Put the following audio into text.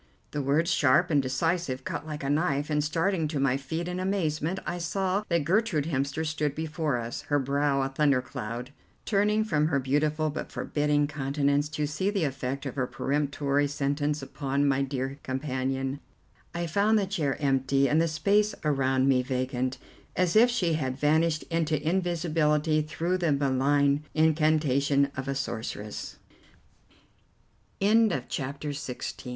_" The words, sharp and decisive, cut like a knife, and, starting to my feet in amazement, I saw that Gertrude Hemster stood before us, her brow a thundercloud. Turning from her beautiful but forbidding countenance to see the effect of her peremptory sentence upon my dear companion, I found the chair empty, and the space around me vacant as if she had vanished into invisibility through t